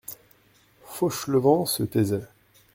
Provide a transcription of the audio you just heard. Fauchelevent se taisait.